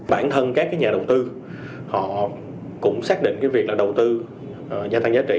bản thân các nhà đầu tư họ cũng xác định cái việc là đầu tư gia tăng giá trị